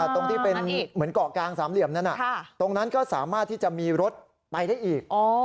ตรงที่เป็นเหมือนเกาะกลางสามเหลี่ยมนั้นตรงนั้นก็สามารถที่จะมีรถไปได้อีก